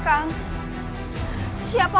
kau jangan terbiasa